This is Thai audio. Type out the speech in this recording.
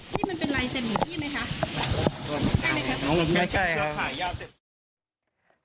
นี่มันเป็นไลเซ็นต์ของพี่ไหมคะใช่ไหมครับไม่ใช่ครับ